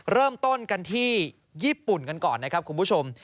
เริ่มต้นกันที่ญี่ปุ่นกันก่อนนะครับคุณผู้ชม